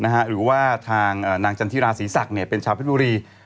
หรือว่าทางนางจันทิราศีศักดิ์เป็นชาวเพชรบุรี